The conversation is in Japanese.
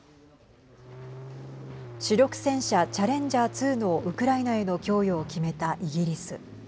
主力戦車チャレンジャー２のウクライナへの供与を決めたイギリス。